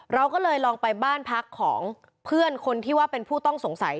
เราก็เลยลองไปบ้านพักของเพื่อนคนที่ว่าเป็นผู้ต้องสงสัย